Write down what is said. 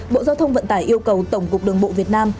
bộ giao thông vận tải yêu cầu tổng cục đường bộ việt nam